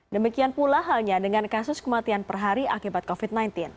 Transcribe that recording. demikian pula halnya dengan kasus kematian per hari akibat covid sembilan belas